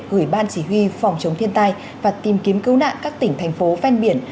gửi ban chỉ huy phòng chống thiên tai và tìm kiếm cứu nạn các tỉnh thành phố ven biển